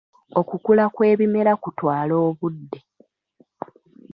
Okukula kw'ebimera kutwala obudde.